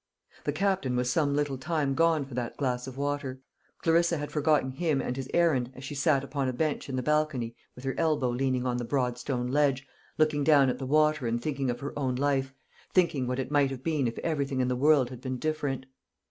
The Captain was some little time gone for that glass of water. Clarissa had forgotten him and his errand as she sat upon a bench in the balcony with her elbow leaning on the broad stone ledge, looking down at the water and thinking of her own life thinking what it might have been if everything in the world had been different.